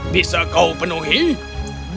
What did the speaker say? buat kau lakuin isinya